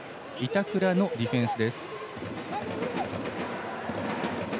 板倉のディフェンス。